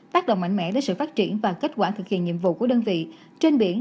tác động mạnh mẽ đến sự phát triển và kết quả thực hiện nhiệm vụ của đơn vị trên biển